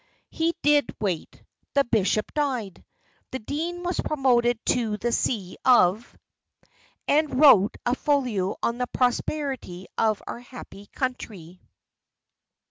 He did wait: the bishop died. The dean was promoted to the see of , and wrote a folio on the prosperity of our happy country.